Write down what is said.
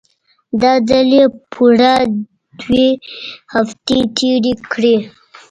دا ځل يې پوره دوې هفتې تېرې کړې.